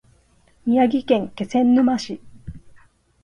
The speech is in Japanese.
宮城県気仙沼市